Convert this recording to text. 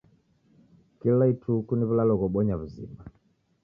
Kila ituku ni w'ulalo ghobonya w'uzima